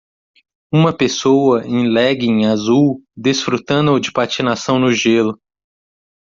Uma pessoa em legging azul desfrutando de patinação no gelo.